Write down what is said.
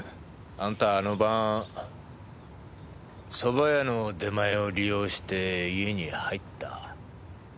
あんたあの晩そば屋の出前を利用して家に入った。